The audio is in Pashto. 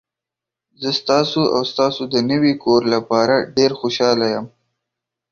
زه ستاسو او ستاسو د نوي کور لپاره ډیر خوشحاله یم.